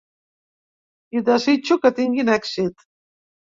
I desitjo que tinguin èxit.